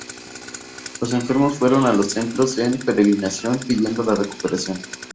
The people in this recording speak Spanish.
Los enfermos fueron a los templos en peregrinación, pidiendo la recuperación.